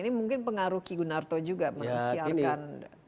ini mungkin pengaruh ki gunarto juga mensiarkan